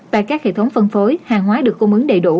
tại các hệ thống phân phối hàng hóa được cung ứng đầy đủ